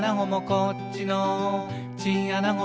「こっちのチンアナゴも」